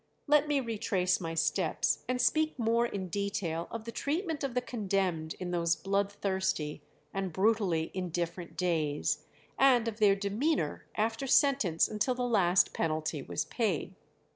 Let me retrace my steps, and speak more in detail of the treatment of the condemned in those bloodthirsty and brutally indifferent days, and of their demeanour after sentence until the last penalty was paid.